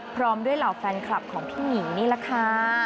พร้อมด้วยเหล่าแฟนคลับของพี่หนิงนี่แหละค่ะ